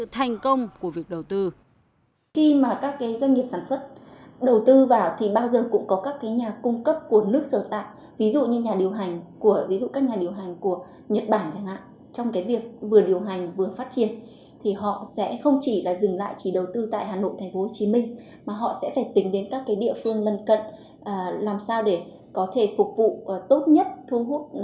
tác động đến sự thành công của việc đầu tư